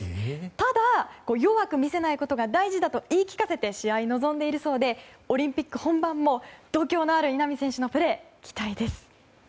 ただ、弱く見せないことが大事だと言い聞かせて試合に臨んでいるそうでオリンピック本番も度胸のある稲見選手のプレー期待です。